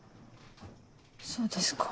そうですか。